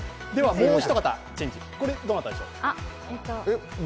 もうひと方、これはどなたでしょう？